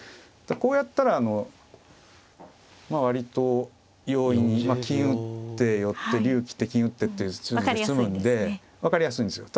こうやったらまあ割と容易に金打って寄って竜切って金打ってっていう筋で詰むんで分かりやすいんですよ。